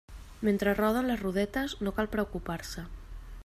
Mentre roden les rodetes, no cal preocupar-se.